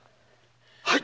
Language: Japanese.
はい！